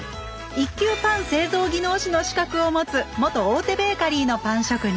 １級パン製造技能士の資格を持つ元大手ベーカリーのパン職人。